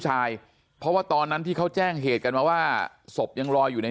ชายเพราะว่าตอนนั้นที่เขาแจ้งเหตุกันมาว่าศพยังลอยอยู่ใน